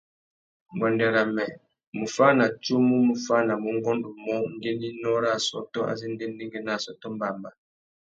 Nguêndê râ mê, muffānatsumu mù fānamú ungôndô umô ngüeninô râ assôtô azê ndêndêngüê nà assôtô mbămbá.